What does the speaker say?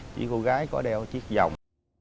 chỉ cô gái có đeo chiếc giọng